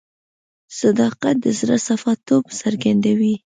صداقت د زړه صفا توب څرګندوي.